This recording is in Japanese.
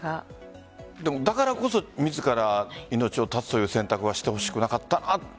だからこそ、自ら命を絶つという選択はしてほしくなかったなって